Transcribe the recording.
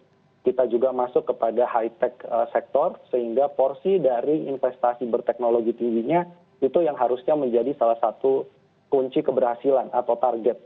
jadi kita juga masuk kepada high tech sektor sehingga porsi dari investasi berteknologi timbinya itu yang harusnya menjadi salah satu kunci keberhasilan atau target